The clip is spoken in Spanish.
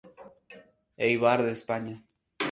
Eibar de España.